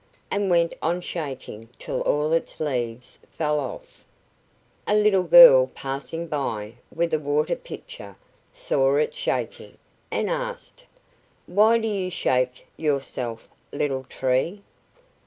and went on shaking till all its leaves fell off. A little girl passing by with a water pitcher saw it shaking, and asked: "Why do you shake yourself, little tree?"